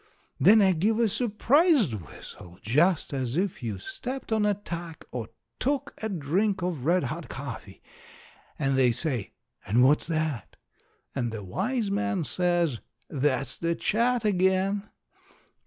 Then I give a surprised whistle, just as if you stepped on a tack or took a drink of red hot coffee. And they say, "And what's that?" And the wise man says, "That's the Chat again."